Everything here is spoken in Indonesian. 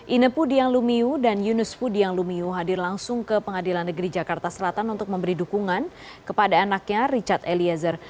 inepu diyanglumiu dan yunuspu diyanglumiu hadir langsung ke pengadilan negeri jakarta selatan untuk memberi dukungan kepada anaknya richard eliezer